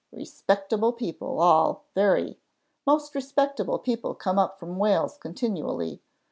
Respectable people all very; most respectable people come up from Wales continually.